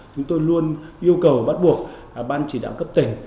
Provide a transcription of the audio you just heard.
chúng tôi luôn yêu cầu bắt buộc ban chỉ đạo cấp tỉnh